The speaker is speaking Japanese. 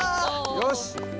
よし！